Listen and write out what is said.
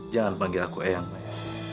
jangan panggil aku ayah maya